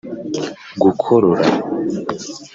gukorora